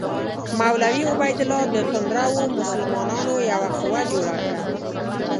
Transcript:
مولوي عبیدالله د توندرو مسلمانانو یوه قوه جوړه کړه.